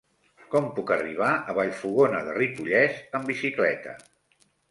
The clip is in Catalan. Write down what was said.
Com puc arribar a Vallfogona de Ripollès amb bicicleta?